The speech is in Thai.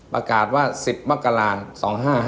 ประกาศว่า๑๐มกราศ๒๕๕